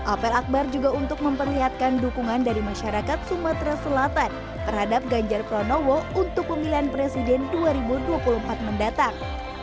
apel akbar juga untuk memperlihatkan dukungan dari masyarakat sumatera selatan terhadap ganjar pranowo untuk pemilihan presiden dua ribu dua puluh empat mendatang